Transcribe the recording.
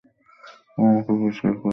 ও আমাকে পরিষ্কার করে কিছুই বলেনি।